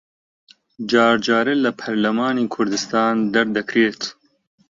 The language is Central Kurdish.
جار جارە لە پەرلەمانی کوردستان دەردەکرێت